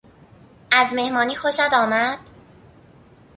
از مهمانی خوشت آمد؟